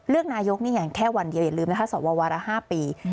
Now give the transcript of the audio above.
เลือกนายกนี่แค่วันเดียวอย่าลืมนะคะสอวร์วาระ๕ปี